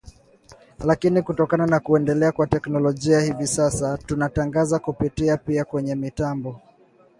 lakini kutokana na kuendelea kwa teknolojia hivi sasa tunatangaza kupitia pia kwenye mitambo